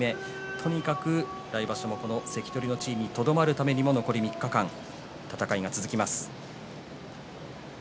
とにかく来場所も関取の地位にとどまるために残り３日間、戦いが続きます。